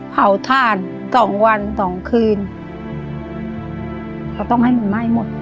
เผ่าทาน๒วัน๒คืนก็ต้องให้มันไหม้หมด